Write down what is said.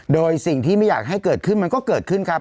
โดยสิ่งที่ไม่อยากให้เกิดขึ้นมันก็เกิดขึ้นครับ